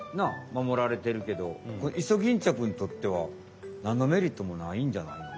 守られてるけどイソギンチャクにとってはなんのメリットもないんじゃないの？